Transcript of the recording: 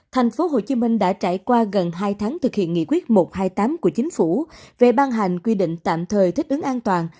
thành phố hồ chí minh đã trải qua gần hai tháng thực hiện nghị quyết một trăm hai mươi tám của chính phủ về ban hành quy định tạm thời thích ứng an toàn